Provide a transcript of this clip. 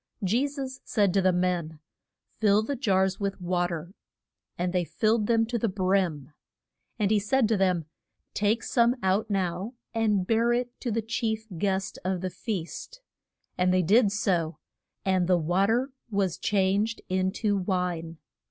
Je sus said to the men, Fill the jars with wa ter. And they filled them to the brim. And he said to them, Take some out now and bear it to the chief guest of the feast. And they did so; and the wa ter was changed in to wine.